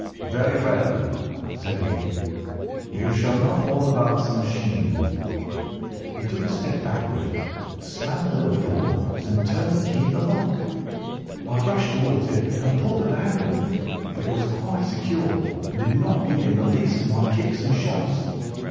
"'Very well,' said he, 'you shall know all about the machine.' He took a step backward, slammed the little door, and turned the key in the lock. I rushed towards it and pulled at the handle, but it was quite secure, and did not give in the least to my kicks and shoves.